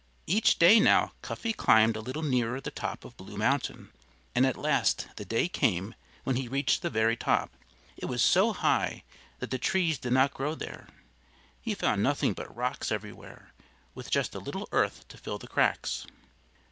Each day now Cuffy climbed a little nearer the top of Blue Mountain. And at last the day came when he reached the very top. It was so high that the trees did not grow there. He found nothing but rocks everywhere, with just a little earth to fill the cracks.